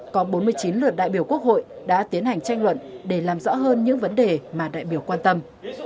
có bốn mươi chín lượt đại biểu quốc hội đã tiến hành tranh luận để làm rõ hơn những vấn đề mà đại biểu quan tâm